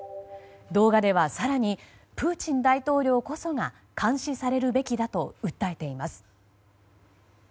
動画では更にプーチン大統領こそが監視されるべきだと訴えています。